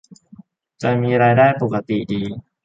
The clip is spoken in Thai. จะมีรายได้ปกติดี